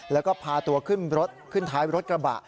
แล้วก็พาตัวขึ้นรถขึ้นท้ายรถกระบะ